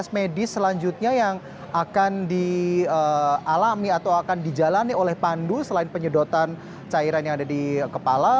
proses medis selanjutnya yang akan dialami atau akan dijalani oleh pandu selain penyedotan cairan yang ada di kepala